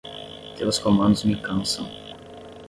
Teus comandos me cansam